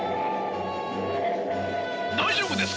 大丈夫ですか？